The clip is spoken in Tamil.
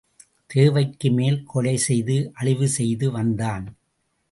தேவைக்குமேல் கொலை செய்து அழிவு செய்து வந்தான்.